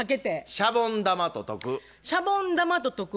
シャボン玉ととく。